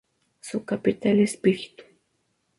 Su capital es Píritu.